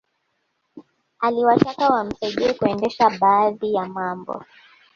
Aliwataka wamsaidie kuendesha baadhi ya mambo